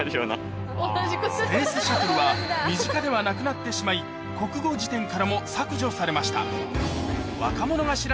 「スペースシャトル」は身近ではなくなってしまい国語辞典からも削除されました